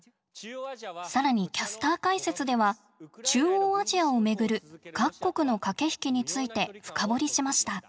更にキャスター解説では中央アジアをめぐる各国の駆け引きについて深掘りしました。